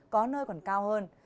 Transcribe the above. có nơi còn cao hơn